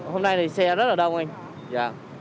hôm nay thì xe rất là đông anh